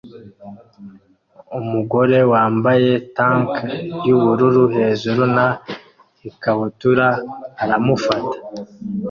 Umugore wambaye tank yubururu hejuru na ikabutura aramufata